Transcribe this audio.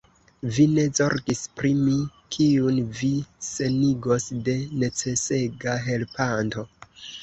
Vi ne zorgis pri mi, kiun vi senigos de necesega helpanto!